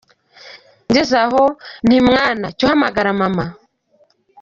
Ngeze aho nti: cyo mwana hamagara Mama.